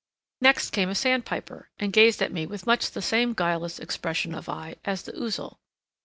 Next came a sandpiper and gazed at me with much the same guileless expression of eye as the Ouzel.